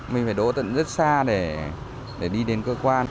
mình phải đỗ tận rất xa để đi đến cơ quan